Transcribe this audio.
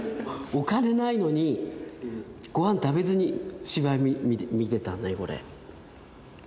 お金ないのにご飯食べずに芝居見てたんだよこれ。